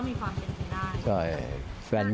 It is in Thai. ก็มีความเก็บของได้